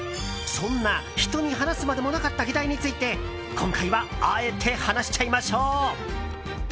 そんな人に話すまでもなかった議題について今回はあえて話しちゃいましょう。